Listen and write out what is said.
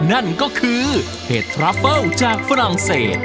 นั่นก็คือเห็ดทราเบิ้ลจากฝรั่งเศส